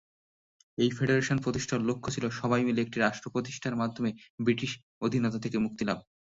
এই ফেডারেশন প্রতিষ্ঠার লক্ষ্য ছিল সবাই মিলে একটি রাষ্ট্র প্রতিষ্ঠার মাধ্যমে ব্রিটিশ অধীনতা থেকে মুক্তি লাভ।